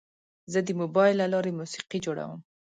زه د موبایل له لارې موسیقي جوړوم.